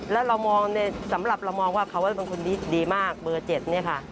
แล้วสำหรับเรามองว่าเขาว่าเป็นคนดีมากเบอร์๗นี่ค่ะ